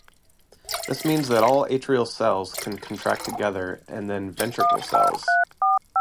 This means that all atrial cells can contract together, and then all ventricular cells.